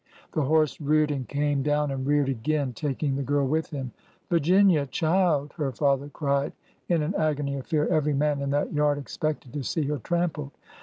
The horse reared and came down and reared again, taking the girl with him. " Virginia ! child! her father cried in an agony of fear. Every man in that yard expected to see her trampled.